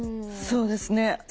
そうですね。